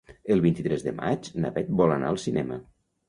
El vint-i-tres de maig na Bet vol anar al cinema.